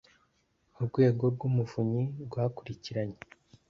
urwego rw umuvunyi rwakurikiranye